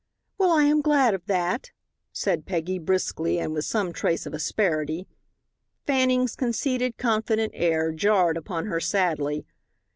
"Well, I am glad of that," said Peggy, briskly, and with some trace of asperity. Fanning's conceited, confident air jarred upon her sadly.